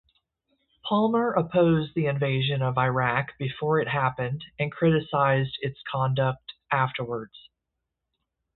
Palmer opposed the invasion of Iraq before it happened and criticized its conduct afterwards.